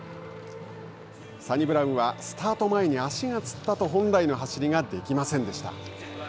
サニブラウンはスタート前に足がつったと本来の走りができませんでした。